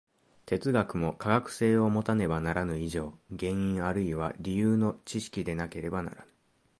哲学も科学性をもたねばならぬ以上、原因あるいは理由の知識でなければならぬ。